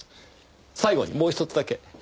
最後にもうひとつだけ。